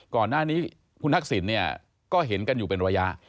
ก่อนหน้านี้คุณทักษิณเนี่ยก็เห็นกันอยู่เป็นระยะ